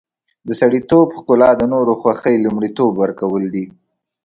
د سړیتوب ښکلا د نورو خوښي لومړیتوب ورکول دي.